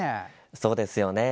そうですよね。